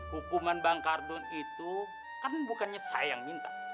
hukuman bang kardun itu kan bukannya saya yang minta